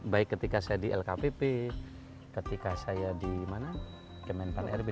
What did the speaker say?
baik ketika saya di lkpp ketika saya di kemenpan rb